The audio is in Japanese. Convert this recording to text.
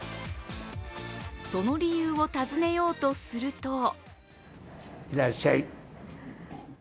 その理由を尋ねようとするといらっしゃい。